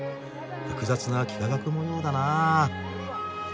複雑な幾何学模様だな。